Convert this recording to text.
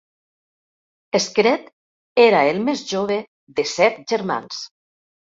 Skrede era el més jove de set germans.